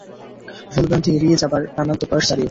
ভুল-ভ্রান্তি এড়িয়ে যাবার প্রাণান্ত প্রয়াস চালিয়েছি।